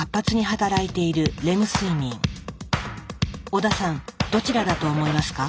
織田さんどちらだと思いますか？